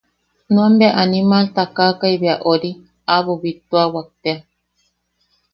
Nuan bea animal takakai bea ori... aʼabo bittuawak tea.